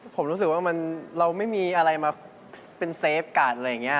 ผมรู้สึกว่าเราไม่มีอะไรมาเป็นเซฟกัดอะไรอย่างนี้